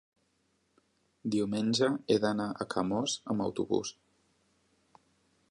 diumenge he d'anar a Camós amb autobús.